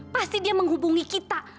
pasti dia menghubungi kita